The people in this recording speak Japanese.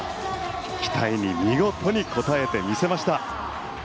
期待に見事に応えてみせました。